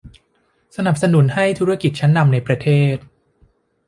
สนับสนุนให้ธุรกิจชั้นนำในประเทศ